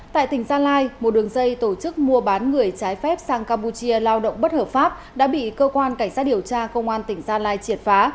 tại tỉnh gia lai một đường dây tổ chức mua bán người trái phép sang campuchia lao động bất hợp pháp đã bị cơ quan cảnh sát điều tra công an tỉnh gia lai triệt phá